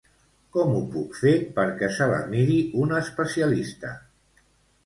Com ho puc fer perquè se la miri un especialista?